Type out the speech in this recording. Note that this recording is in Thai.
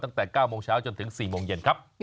ตั้งแต่๙โมงเช้าจนถึง๔โมงเย็นครับ